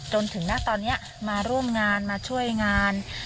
จนถึงณตอนนี้มาร่วมงานมาช่วยงาน